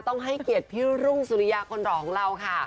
ต้องให้เห็ทพี่โร่งศุรียากษ์ของเราค่ะ